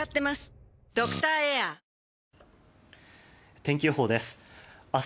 天気予報です。